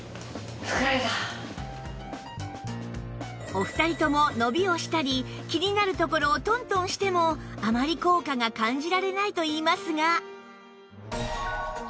お二人とも伸びをしたり気になる所をトントンしてもあまり効果が感じられないといいますが